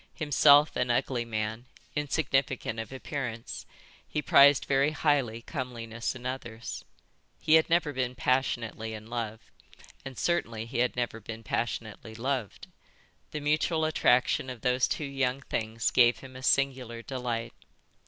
Himself an ugly man, insignificant of appearance, he prized very highly comeliness in others. He had never been passionately in love, and certainly he had never been passionately loved. The mutual attraction of those two young things gave him a singular delight.